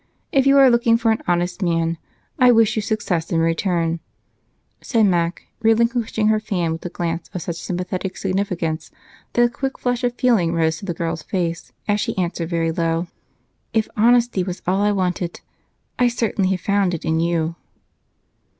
If you are looking for the honest man, I wish you success in return," said Mac, relinquishing her fan with a glance of such sympathetic significance that a quick flush of feeling rose to the girl's face as she answered very low, "If honesty was all I wanted, I certainly have found it in you."